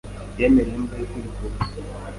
yemereye imbwa ye kwiruka ubusa.